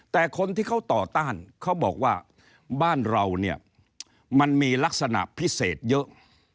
แต่คนที่เขาต่อต้านเขาบอกว่าบ้านเราเนี่ยมันมีลักษณะพิเศษเยอะ